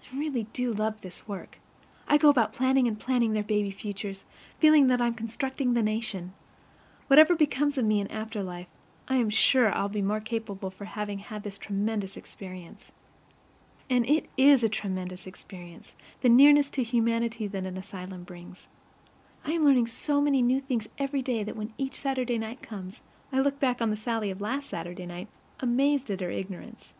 I really do love this work. I go about planning and planning their baby futures, feeling that I'm constructing the nation. Whatever becomes of me in after life, I am sure I'll be the more capable for having had this tremendous experience. And it IS a tremendous experience, the nearness to humanity that an asylum brings. I am learning so many new things every day that when each Saturday night comes I look back on the Sallie of last Saturday night, amazed at her ignorance.